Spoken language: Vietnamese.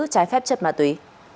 trái phép chất ma túy